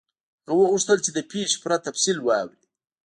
هغه وغوښتل چې د پیښې پوره تفصیل واوري.